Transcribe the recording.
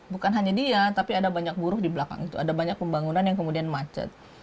bukan hanya dia tapi ada banyak buruh di belakang itu ada banyak pembangunan yang kemudian macet